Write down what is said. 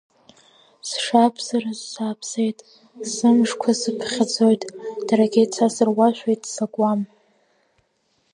Сшааԥсарыз сааԥсеит, сымшқәа сыԥхьаӡоит, даргьы цас руашәа иццакуам!